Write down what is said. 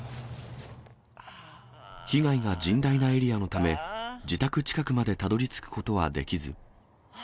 被害が甚大なエリアのため、自宅近くまでたどりつくことはできず。